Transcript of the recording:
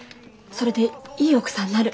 それでいい奥さんになる。